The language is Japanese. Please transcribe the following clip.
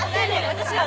私は？